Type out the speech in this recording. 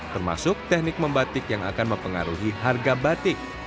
termasuk teknik membatik yang akan mempengaruhi harga batik